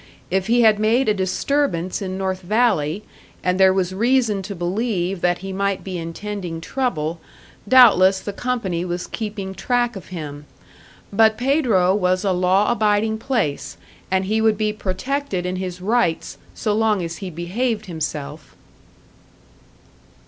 If he had made a disturbance in North Valley, and there was reason to believe that he might be intending trouble, doubtless the company was keeping track of him. But Pedro was a law abiding place, and he would be protected in his rights so long as he behaved himself.